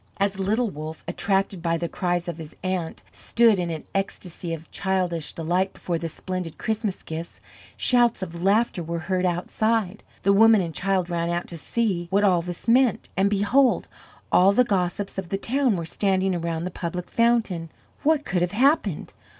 As little Wolff, attracted by the cries of his aunt, stood in an ecstasy of childish delight before the splendid Christmas gifts, shouts of laughter were heard outside. The woman and child ran out to see what all this meant, and behold! all the gossips of the town were standing around the public fountain. What could have happened?